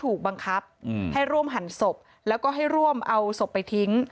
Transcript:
ถูกบังคับให้ร่วมหั่นศพแล้วก็ให้ร่วมเอาศพไปทิ้ง